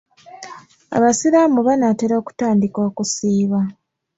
Abasiraamu banaatera okutandika okusiiba.